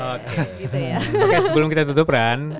oke sebelum kita tutup kan